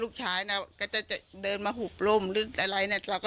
พ่ยามพาลูกหนีตาย